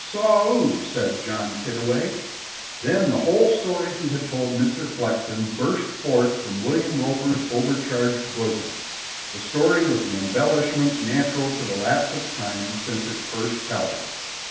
"Saw 'oo?" said John Pittaway. Then the whole story he had told Mr. Flexen burst forth from William Roper's overcharged bosom, the story with the embellishments natural to the lapse of time since its first telling.